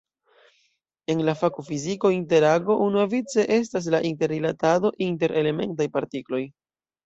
En la fako fiziko "interago" unuavice estas la inter-rilatado inter elementaj partikloj.